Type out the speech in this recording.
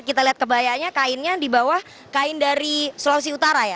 kita lihat kebayanya kainnya di bawah kain dari sulawesi utara ya